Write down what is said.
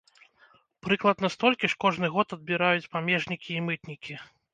Прыкладна столькі ж кожны год адбіраюць памежнікі і мытнікі.